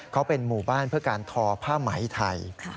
เขาเป็นหมู่บ้านเพื่อการทอผ้าไหมไทย